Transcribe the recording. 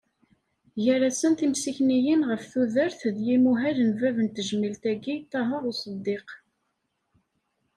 Gar-asen timsikniyin ɣef tudert d yimuhal n bab n tejmilt-agi Ṭaher Useddiq.